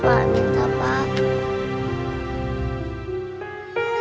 pak minta pak